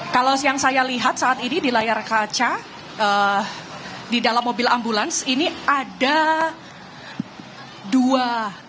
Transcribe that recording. kalau yang saya lihat saat ini di layar kaca di dalam mobil ambulans ini ada dua